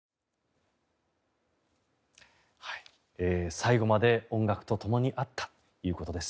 最後まで音楽とともにあったということです。